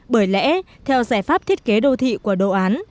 bởi lẽ theo giải pháp thiết kế đô thị của đồ án